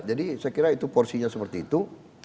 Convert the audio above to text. jadi saya kira itu porsinya seperti itu